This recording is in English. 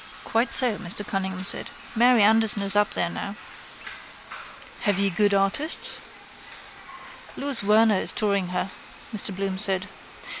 —Quite so, Martin Cunningham said. Mary Anderson is up there now. Have you good artists? —Louis Werner is touring her, Mr Bloom said.